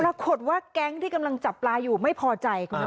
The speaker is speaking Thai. ปรากฏว่าแก๊งที่กำลังจับปลาอยู่ไม่พอใจคุณ